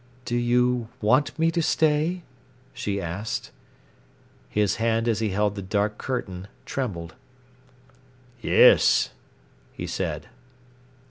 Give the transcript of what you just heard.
"Do you want me to stay?" she asked. His hand as he held the dark curtain trembled. "Yes," he said.